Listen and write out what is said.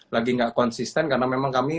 lagi nggak konsisten karena memang kami